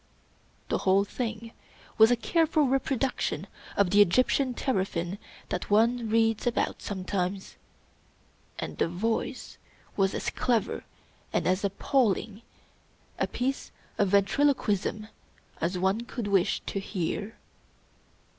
The whole thing was a careful reproduction of the Egyptian teraphin that one reads about sometimes; and the voice was as clever and as appalling 33 English Mystery Stories a piece of ventriloquism as one could wish to hear.